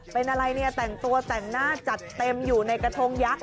เป็นอะไรเนี่ยแต่งตัวแต่งหน้าจัดเต็มอยู่ในกระทงยักษ